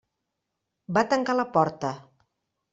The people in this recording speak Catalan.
Va tancar la porta.